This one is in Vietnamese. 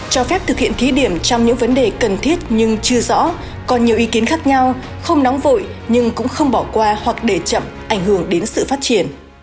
cho phép thực hiện thí điểm trong những vấn đề cần thiết nhưng chưa rõ còn nhiều ý kiến khác nhau không nóng vội nhưng cũng không bỏ qua hoặc để chậm ảnh hưởng đến sự phát triển